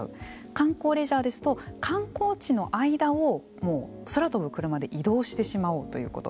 観光・レジャーですと観光地の間を空飛ぶクルマで移動してしまおうということ。